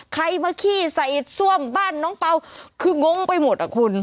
ใครมาขี้ใส่ซ่วมบ้านน้องเปล่าคืองงไปหมดอ่ะคุณ